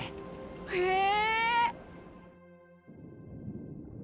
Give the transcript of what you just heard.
へえ！